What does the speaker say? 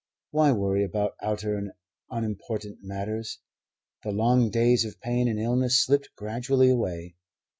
Why worry about outer and unimportant matters? The long days of pain and illness slipped gradually away.